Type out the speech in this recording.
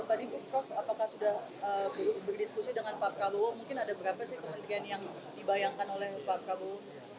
tadi prof apakah sudah berdiskusi dengan pak prabowo mungkin ada berapa sih kementerian yang dibayangkan oleh pak prabowo